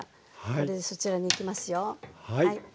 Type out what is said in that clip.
これでそちらにいきますよ。